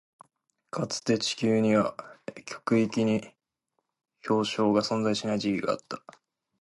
かつて、地球には極域に氷床が存在しない時期があった。